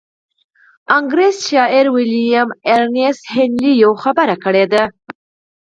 انګرېز شاعر ويليام ايرنيسټ هينلي يوه خبره کړې ده.